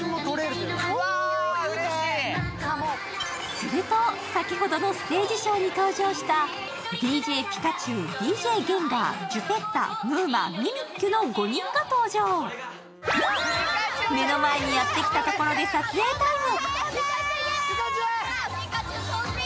すると、先ほどのステージショーに登場したＤＪピカチュウ、ＤＪゲンガー、ジュペッタ、ムウマ、ミミッキュの５人が登場、目の前にやってきたところで撮影タイム。